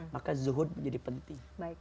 maka zuhud menjadi penting